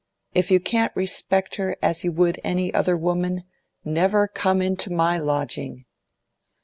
If you can't respect her as you would any other woman, never come into my lodging!